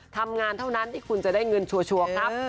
ทำงานเท่านั้นที่คุณจะได้เงินชัวร์ครับ